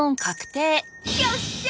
よっしゃあ！